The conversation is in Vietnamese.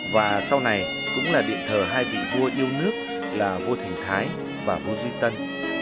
và sau này cũng là điện thờ hai vị vua yêu nước là vua thành thái và ngô duy tân